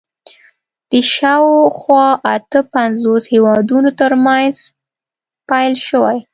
د شاوخوا اته پنځوس هېوادونو تر منځ پیل شوي